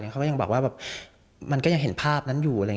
เขาก็ยังบอกว่ามันก็ยังเห็นภาพนั้นอยู่